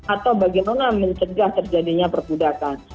atau bagaimana mencegah terjadinya perpudakan